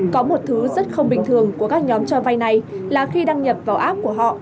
có một thứ rất không bình thường của các nhóm cho vay này là khi đăng nhập vào app của họ